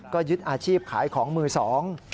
ก็ยึดอาชีพขายของมือสอง